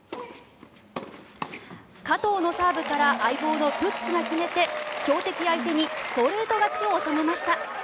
加藤のサーブから相棒のプッツが決めて強敵相手にストレート勝ちを収めました。